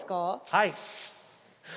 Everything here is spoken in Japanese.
はい。